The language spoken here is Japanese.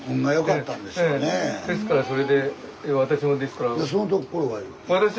ですからそれで私もですから。